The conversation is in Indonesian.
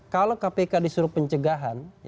kalau kpk disuruh pencegahan